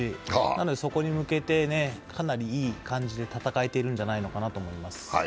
なのでそこに向けてかなりいい感じで戦えてるんじゃないかなと思います。